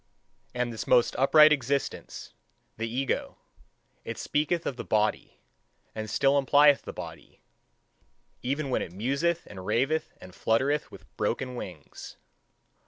And this most upright existence, the ego it speaketh of the body, and still implieth the body, even when it museth and raveth and fluttereth with broken wings.